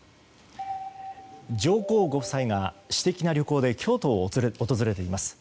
上皇ご夫妻が、私的な旅行で京都を訪れています。